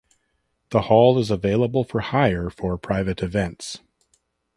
The hall is available for hire for private events.